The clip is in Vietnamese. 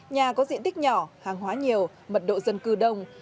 nhà có diện tích nhỏ hàng hóa nhiều mật độ dân cư đông